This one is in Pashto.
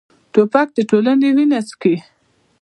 توپک د ټولنې وینه څښي.